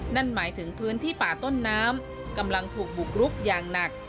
นั่นหมายถึงพื้นที่ป่าต้นน้ำกำลังถูกบุกรุกอย่างหนัก